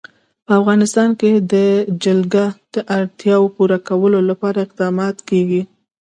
په افغانستان کې د جلګه د اړتیاوو پوره کولو لپاره اقدامات کېږي.